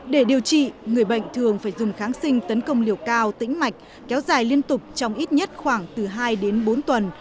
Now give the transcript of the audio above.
để điều trị người bệnh thường phải dùng kháng sinh tấn công liều cao tĩnh mạch kéo dài liên tục trong ít nhất khoảng từ hai đến bốn tuần